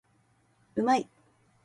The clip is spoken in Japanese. うまい